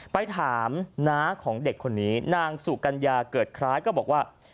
ไปถามน้าของเด็กคนนี้นางสุกัญญาเกิดคล้ายก็บอกว่า